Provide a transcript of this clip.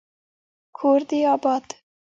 کور دي اباد